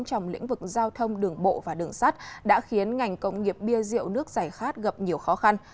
trong lĩnh vực giao thông đường bộ và đường sắt đã khiến ngành công nghiệp bia rượu nước giải khát gặp nhiều khó khăn